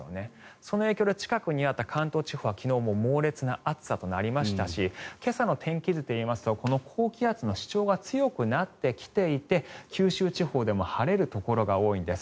その影響で近くにあった関東地方は昨日も猛烈な暑さとなりましたし今朝の天気図でいいますと高気圧の主張が強くなってきていて九州地方でも晴れるところが多いんです。